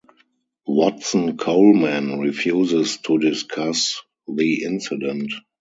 Watson-Coleman refuses to discuss the incident.